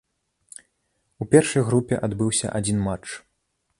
У першай групе адбыўся адзін матч.